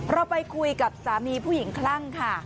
เราไปคุยกับสามีผู้หญิงคลั่งค่ะ